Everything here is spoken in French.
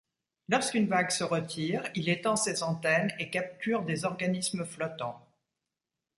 Lorsqu'une vague se retire, il étend ses antennes et capture des organismes flottants.